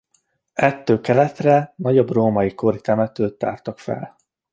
Ettől keletre nagyobb római kori temetőt tártak fel.